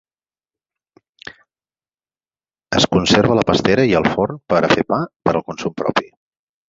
Es conserva la pastera i el forn per a fer pa per al consum propi.